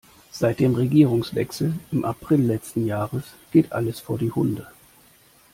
Seit dem Regierungswechsel im April letzten Jahres geht alles vor die Hunde.